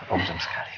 om senang sekali ya